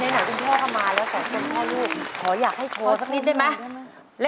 ในหนังที่พ่อทำมาแล้ว